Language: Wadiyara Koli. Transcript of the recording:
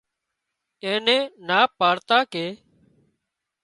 اين نين نا پاڙتان ڪي